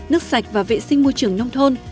nước sạch và vệ sinh môi trường nông thôn